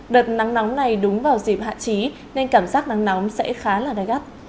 đợt nắng nóng này đúng vào dịp hạ trí nên cảm giác nắng nóng sẽ khá là gai gắt